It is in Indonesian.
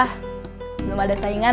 belum ada saingan